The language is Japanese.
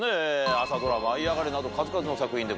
朝ドラ『舞いあがれ！』など数々の作品でご活躍。